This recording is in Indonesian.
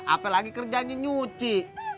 apalagi kerjanya nyuci